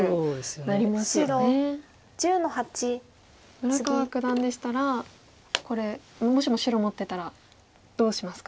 村川九段でしたらこれもしも白持ってたらどうしますか？